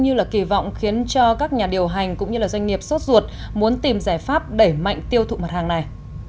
việc tiêu thụ xăng e năm không như là kỳ vọng khiến cho các nhà điều hành cũng như là doanh nghiệp sốt ruột muốn tìm giải pháp đẩy mạnh tiêu thụ mặt hàng này